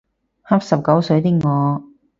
恰十九歲的我